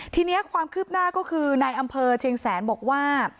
ทีนี้ความคืบหน้าก็คือนายอำเภอเชียงแสนบอกว่า